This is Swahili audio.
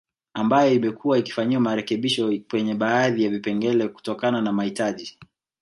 Ambayo imekuwa ikifanyiwa marekebisho kwenye baadhi ya vipengele kutokana na mahitaji